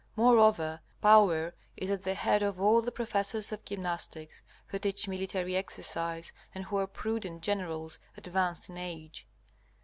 Moreover, Power is at the head of all the professors of gymnastics, who teach military exercise, and who are prudent generals, advanced in age.